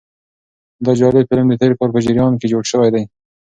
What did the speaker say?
دا جالب فلم د تېر کال په جریان کې جوړ شوی دی.